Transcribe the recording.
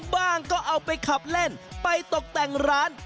บ้างก็เอาไปขับเล่นไปตกแต่งร้าน